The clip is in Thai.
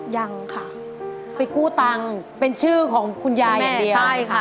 ยังค่ะไปกู้ตังเป็นชื่อของคุณยาอย่างเดียว